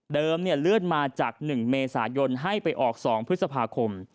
เลื่อนมาจาก๑เมษายนให้ไปออก๒พฤษภาคม